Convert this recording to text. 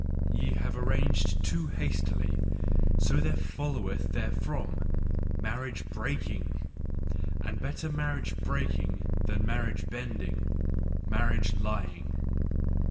Ye have arranged too hastily: so there FOLLOWETH therefrom marriage breaking! And better marriage breaking than marriage bending, marriage lying!